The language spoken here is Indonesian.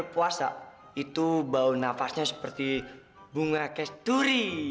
puasa itu bau nafasnya seperti bunga kesturi